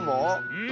うん。